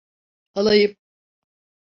Alayım.